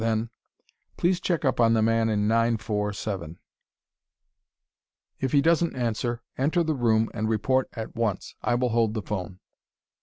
Then: "Please check up on the man in nine four seven. If he doesn't answer, enter the room and report at once I will hold the phone...."